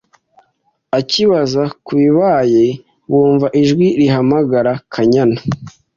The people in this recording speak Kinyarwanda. akibaza ku bibaye bumva ijwi rihamagara Kanyana